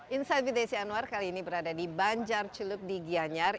insight vdc anwar kali ini berada di banjar cilup di gianyar